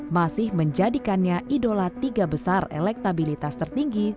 masih menjadikannya idola tiga besar elektabilitas tertinggi